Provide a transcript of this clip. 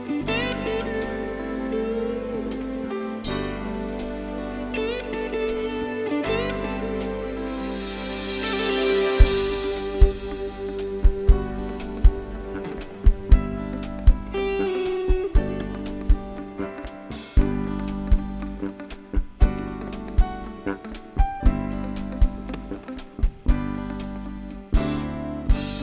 โพธาไลน์เลเชอร์พาร์ค